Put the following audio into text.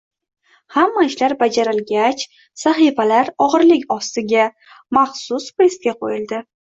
Hamma ishlar bajarilgach, sahifalar og‘irlik ostiga, maxsus pressga qo‘yildi.